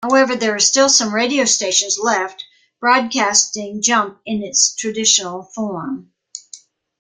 However, there are still some radio stations left, broadcasting Jump in its traditional form.